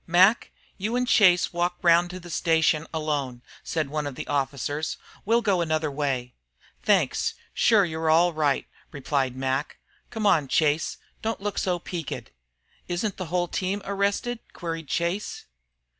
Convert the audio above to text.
"Mac, you an' Chase walk round to the station alone," said one of the officers. "We'll go another way." "Thanks, shure you're all right," replied Mac. "Come on, Chase. Don't look so peaked." "Isn't the whole team arrested?" queried Chase.